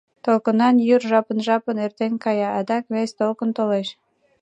Толкынан йӱр жапын-жапын эртен кая, адак вес толкын толеш...